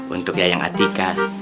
untuk yayang atika